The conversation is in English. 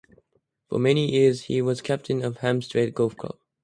For many years he was Captain of Hampstead Golf Club.